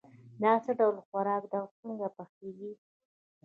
دا څه ډول خوراک ده او څنګه پخیږي